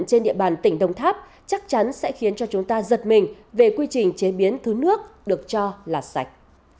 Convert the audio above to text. trên địa bàn tỉnh đồng tháp chắc chắn sẽ khiến cho chúng ta giật mình về quy trình chế biến thứ nước được cho là sạch